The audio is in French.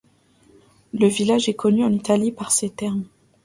Le village est connu en Italie pour ses thermes.